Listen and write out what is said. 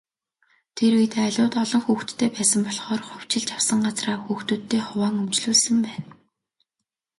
Тэр үед, айлууд олон хүүхэдтэй байсан болохоор хувьчилж авсан газраа хүүхдүүддээ хуваан өмчлүүлсэн байна.